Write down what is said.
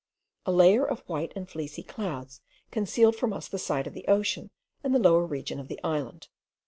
A layer of white and fleecy clouds concealed from us the sight of the ocean, and the lower region of the island.